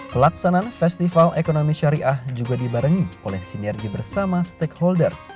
pelaksanaan festival ekonomi syariah juga dibarengi oleh sinergi bersama stakeholders